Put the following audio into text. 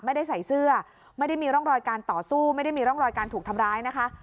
ไม่ได้ใส่เสื้อไม่ได้มีร่องรอยการต่อสู้ไม่ได้มีร่องรอยการถูกทำร้ายนะคะ